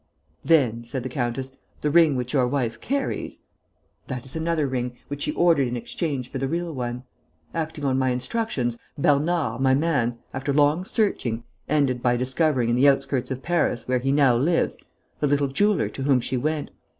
"Then," said the countess, "the ring which your wife carries...." "That is another ring, which she ordered in exchange for the real one. Acting on my instructions, Bernard, my man, after long searching, ended by discovering in the outskirts of Paris, where he now lives, the little jeweller to whom she went.